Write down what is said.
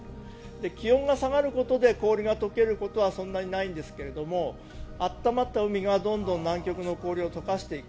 気温が下がることで氷が解けることはそんなにないんですが暖まった海がどんどん南極の氷を解かしていく。